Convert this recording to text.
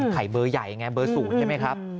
ไข่เบอร์ใหญ่ไงเบอร์๐ใช่ไหมครับ